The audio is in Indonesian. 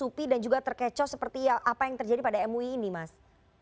tapi dan juga terkecoh seperti apa yang terjadi pada mui ini mas